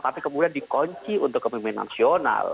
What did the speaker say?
tapi kemudian dikunci untuk kepimpin nasional